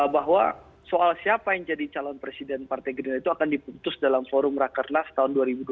bahwa soal siapa yang jadi calon presiden partai gerindra itu akan diputus dalam forum rakernas tahun dua ribu dua puluh